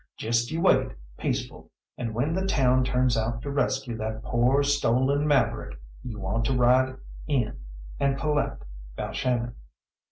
Just you wait peaceful, and when the town turns out to rescue that poor stolen maverick you want to ride in and collect Balshannon."